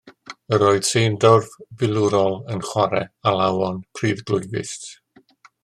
Yr oedd seindorf filwrol yn chware alawon pruddglwyfus.